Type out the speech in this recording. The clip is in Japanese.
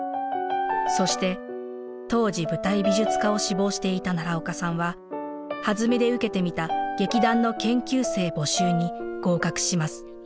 そして当時舞台美術家を志望していた奈良岡さんははずみで受けてみた劇団の研究生募集に合格します。